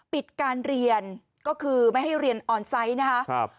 ปิดการเรียนก็คือไม่ให้เรียนออนไซต์นะครับ